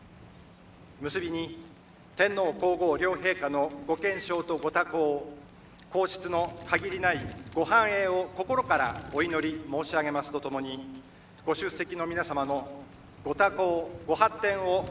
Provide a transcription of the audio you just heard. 結びに天皇皇后両陛下のご健勝とご多幸皇室の限りないご繁栄を心からお祈り申し上げますとともにご出席の皆様のご多幸ご発展を祈念申し上げ挨拶といたします。